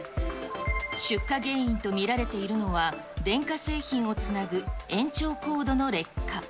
出火原因と見られているのは、電化製品をつなぐ延長コードの劣化。